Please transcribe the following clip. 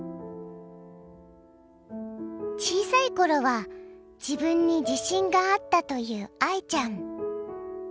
小さい頃は自分に自信があったという愛ちゃん。